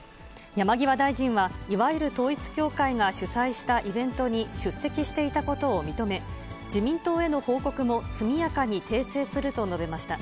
山際大臣は、いわゆる統一教会が主催したイベントに出席していたことを認め、自民党への報告も速やかに訂正すると述べました。